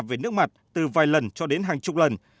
về nước mặt từ vài lần cho đến hàng chục lần